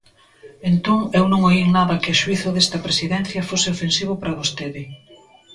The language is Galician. Entón, eu non oín nada que, a xuízo desta Presidencia, fose ofensivo para vostede.